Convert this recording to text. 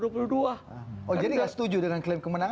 oh jadi nggak setuju dengan klaim kemenangan